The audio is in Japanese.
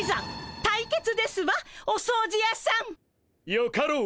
よかろう。